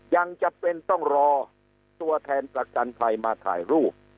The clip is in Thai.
ยังจำเป็นต้องรอตัวแทนประกันภัยมาถ่ายรูป